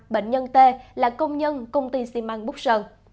bệnh nhân t là công nhân công ty xi măng búc sơn